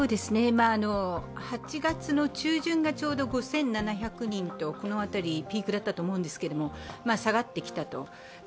８月の中旬が５７００人とこの辺り、ピークだったと思うんですけど、下がってきたと。